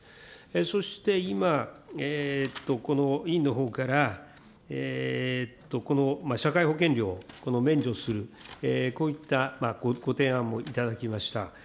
そして今、この委員のほうから、この社会保険料を免除する、こういったご提案も頂きました。